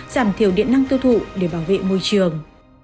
giảm thiểu điện năng tiêu thụ để bảo vệ môi trường